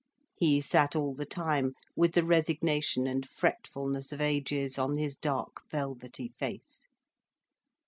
He sat all the time with the resignation and fretfulness of ages on his dark velvety face.